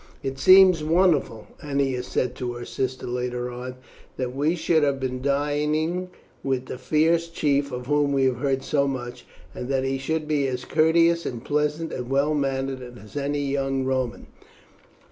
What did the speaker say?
"It seems wonderful," Ennia said to her sister later on, "that we should have been dining with the fierce chief of whom we have heard so much, and that he should be as courteous and pleasant and well mannered as any young Roman."